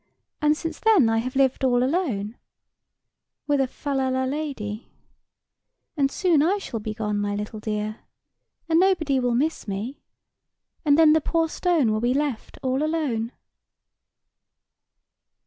And since then I have lived all alone— 'With a fal lal la lady.' And soon I shall be gone, my little dear, and nobody will miss me; and then the poor stone will be left all alone."